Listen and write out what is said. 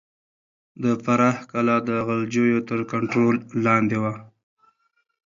د فراه کلا د غلجيو تر کنټرول لاندې وه.